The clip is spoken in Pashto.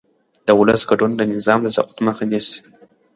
د ولس ګډون د نظام د سقوط مخه نیسي